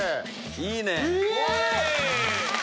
いいね！